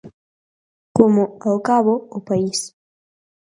Como, ao cabo, o país.